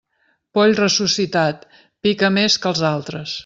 Poll ressuscitat, pica més que els altres.